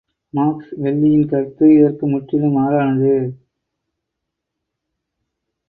Max வெல்லியன் கருத்து இதற்கு முற்றிலும் மாறானது.